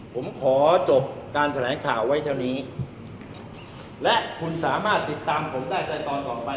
ผมขอจบการแถลงข่าวไว้เท่านี้และคุณสามารถติดตามผมได้ในตอนต่อไป